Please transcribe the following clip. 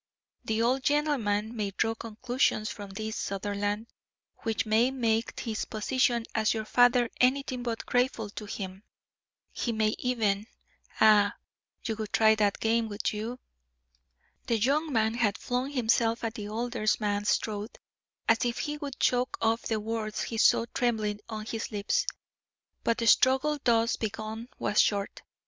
The old gentleman may draw conclusions from this, Sutherland, which may make his position as your father anything but grateful to him. He may even Ah, you would try that game, would you?" The young man had flung himself at the older man's throat as if he would choke off the words he saw trembling on his lips. But the struggle thus begun was short.